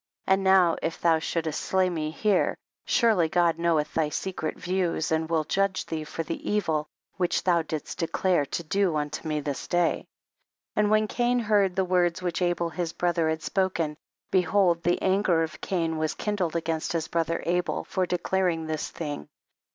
23. And now, if thou shouldst slay me here, surely God knoweth thy secret views, and will judge thee for the evil which thou didst declare to do unto me this day. 24. And when Cain heard the words which Abel his brother had spoken, beheld the anger of Cain THE BOOK OF JASHER. was kindled against his brother Abel for declaring this thing.